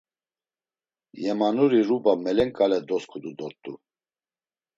Yemanuri ruba melenǩale dosǩudu dort̆u.